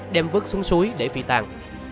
đem vứt xuống suối để phi tàn